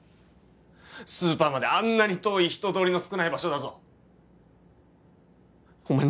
スーパーまであんなに遠い人通りの少ない場所だぞお前